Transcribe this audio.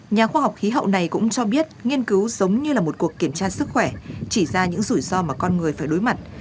nhà khoa học khí hậu này cũng cho biết nghiên cứu giống như là một cuộc kiểm tra sức khỏe chỉ ra những rủi ro mà con người phải đối mặt